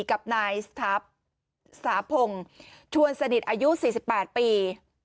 กับนายสถัพสาพงศ์ชวนสนิทอายุ๔๘ปี